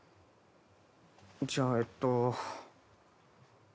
じゃあえっと。